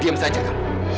diam saja kamu